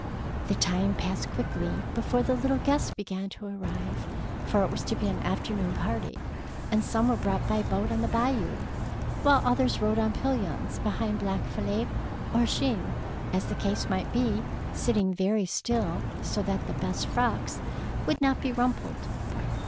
The time passed quickly before the 182 THE PEAKL NECKLACE little guests began to arrive, for it was to be an afternoon party, and some were brought by boat on the Bayou, while others rode on pillions behind black Philippe or Jean, as the case might be, sitting very still so that the best frocks would not be rumpled.